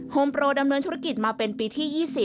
โฮมโปรดำเนินธุรกิจมาเป็นปีที่๒๐